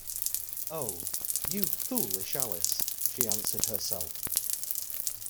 ‘Oh, you foolish Alice!’ she answered herself.